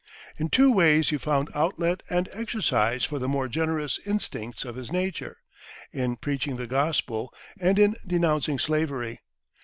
In two ways he found outlet and exercise for the more generous instincts of his nature in preaching the Gospel and in denouncing slavery.